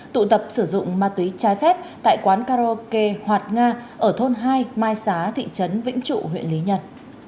tụ tập sử dụng ma túy trái phép tại quán karaoke hoạt nga ở thôn hai mai xá thị trấn vĩnh trụ huyện lý nhân